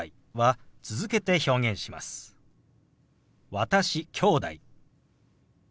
「私」「きょうだい」。